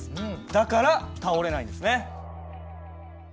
だから倒れないんですね。